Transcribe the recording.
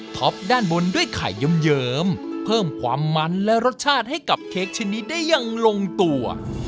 ด้านบนด้วยไข่เยิ้มเพิ่มความมันและรสชาติให้กับเค้กชนิดได้อย่างลงตัว